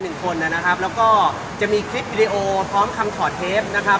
หนึ่งคนนะครับแล้วก็จะมีคลิปวิดีโอพร้อมคำถอดเทปนะครับ